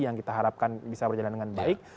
yang kita harapkan bisa berjalan dengan baik